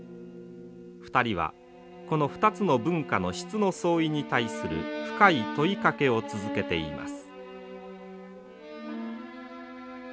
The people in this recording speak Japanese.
２人はこの２つの文化の質の相違に対する深い問いかけを続けています。